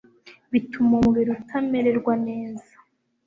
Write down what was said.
bituma umubiri utamererwa neza